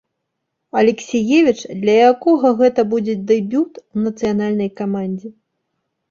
Алексіевіч, для якога гэта будзе дэбют у нацыянальнай камандзе.